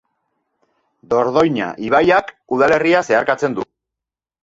Dordoina ibaiak udalerria zeharkatzen du.